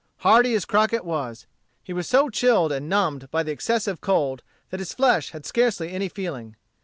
Hardy as Crockett was, he was so chilled and numbed by the excessive cold that his flesh had scarcely any feeling.